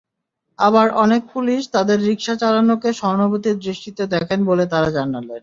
আবার অনেক পুলিশ তঁাদের রিকশা চালানোকে সহানুভূতির দৃষ্টিতে দেখেন বলে তাঁরা জানালেন।